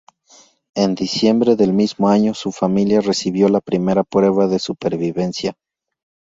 En diciembre del mismo año su familia recibió la primera prueba de supervivencia.